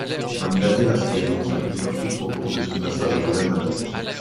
Manuel Velázquez obtient plusieurs titres au cours de son passage au Real Madrid.